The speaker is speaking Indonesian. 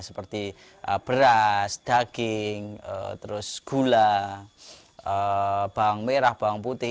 seperti beras daging terus gula bawang merah bawang putih